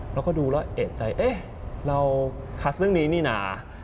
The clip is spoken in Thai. เราก็ดูแล้วเอกใจเอ๊ะเราคัสเรื่องนี้นี่นะ